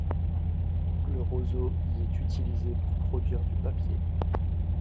Le roseau y est utilisé pour produire du papier.